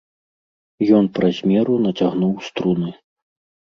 Ён праз меру нацягнуў струны.